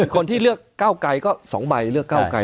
คนที่เลือกเก้าไกรก็๒ใบเลือกเก้าไกร